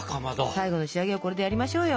最後の仕上げはこれでやりましょうよ。